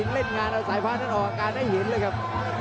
แล้วเป็นงานเอาสายพ้าออกกอดให้หินเลยครับ